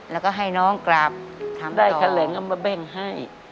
แล้วก็ให้น้องกลับทำต่อได้ค่าแรงก็มาแบ่งให้